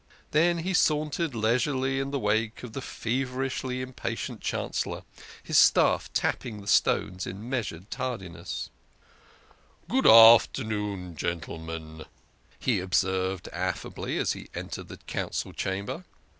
Then he sauntered leisurely in the wake of the feverishly impatient Chancellor, his staff tapping the stones in meas ured tardiness. THE KING OF SCHNORRERS. 113 " Good afternoon, gentlemen," he observed affably as he entered the Council Chamber.